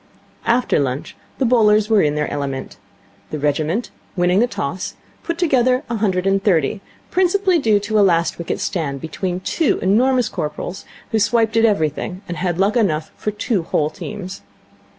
After lunch the bowlers were in their element. The regiment, winning the toss, put together a hundred and thirty, due principally to a last wicket stand between two enormous corporals, who swiped at everything and had luck enough for two whole teams.